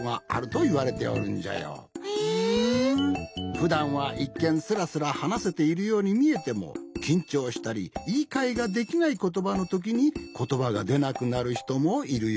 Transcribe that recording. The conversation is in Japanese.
ふだんはいっけんすらすらはなせているようにみえてもきんちょうしたりいいかえができないことばのときにことばがでなくなるひともいるようじゃ。